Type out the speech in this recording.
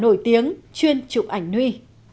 nổi tiếng chuyên trụ ảnh nuôi